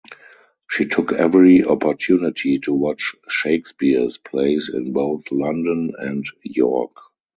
She took every opportunity to watch Shakespeare's plays in both London and York.